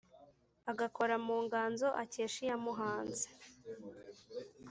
agakora mu nganzo akesha iyamuhanze